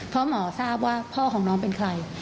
เพราะหมอทราบว่าพ่อของน้องเป็นใคร